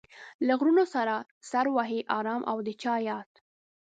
له غرونو سره سر وهي ارام او د چا ياد